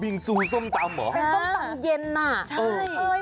งซูส้มตำเหรอเป็นส้มตำเย็นอ่ะใช่เอ้ย